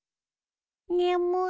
眠い。